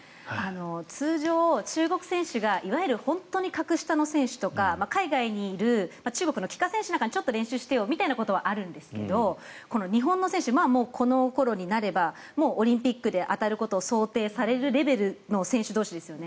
通常、中国選手が本当に格下の選手とか海外にいる中国の帰化選手なんかにちょっと練習してよみたいなことはあるんですけど日本の選手、この頃になればオリンピックで当たることを想定されるレベルの選手ですよね。